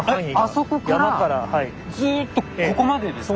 あそこからずっとここまでですか？